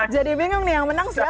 jadi bingung nih yang menang siapa nih